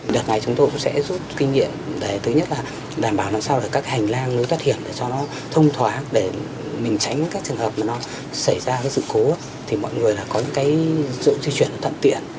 đợt này chúng tôi sẽ rút kinh nghiệm để thứ nhất là đảm bảo làm sao để các hành lang nối tắt hiểm để cho nó thông thoát để mình tránh các trường hợp mà nó xảy ra cái sự cố thì mọi người là có những cái dự truyền tận tiện